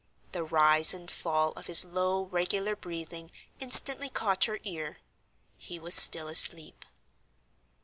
The rise and fall of his low, regular breathing instantly caught her ear. He was still asleep.